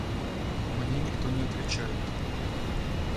Мне никто не отвечает.